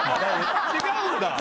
違うんだ。